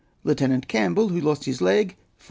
Lieutenant Campbell, who lost his leg, 40£.